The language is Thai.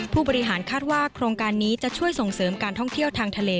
ผู้บริหารคาดว่าโครงการนี้จะช่วยส่งเสริมการท่องเที่ยวทางทะเล